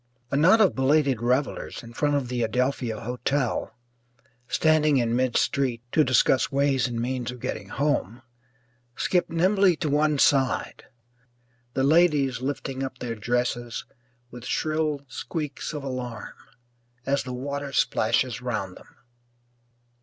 A knot of belated revellers in front of the Adelphia Hotel, standing in mid street, to discuss ways and means of getting home, skip nimbly to one side, the ladies lifting up their dresses with shrill squeaks of alarm as the water splashes round them.